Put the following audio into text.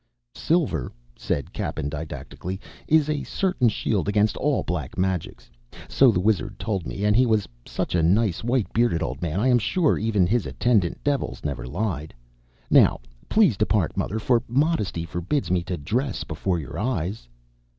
"Silver," said Cappen didactically, "is a certain shield against all black magics. So the wizard told me, and he was such a nice white bearded old man I am sure even his attendant devils never lied. Now please depart, mother, for modesty forbids me to dress before your eyes."